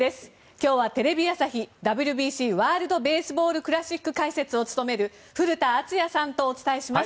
今日はテレビ朝日ＷＢＣ・ワールド・ベースボール・クラシック解説を務める古田敦也さんとお伝えします。